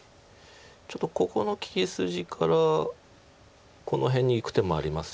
ちょっとここの利き筋からこの辺にいく手もありますし。